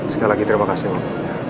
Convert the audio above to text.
sekali lagi terima kasih pak